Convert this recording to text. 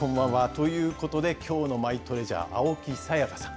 ということで、きょうのマイトレジャー、青木さやかさん。